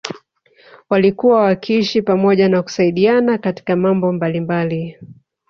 Walikuwa wakiishi pamoja na kusaidiana katika mambo mbalimbali